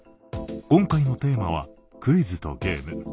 今回のテーマは「クイズとゲーム」。